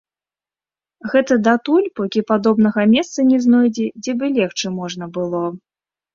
Гэта датуль, покі падобнага месца не знойдзе, дзе бы легчы можна было.